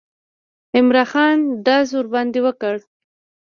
عمرا خان ډز ورباندې وکړ.